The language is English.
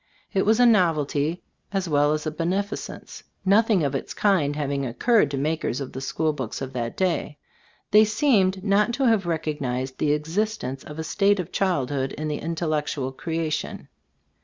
It was a nov elty, as well as a beneficence ; nothing of its kind having occurred to mak ers of the school books of that day. They seemed not to have recognized the existence of a state of childhood in the intellectual creation.